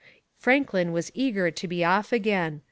Franklin was eager to be off again.